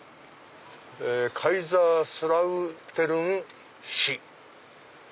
「カイザースラウテルン市」。